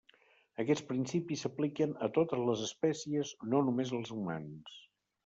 Aquests principis s'apliquen a totes les espècies no només als humans.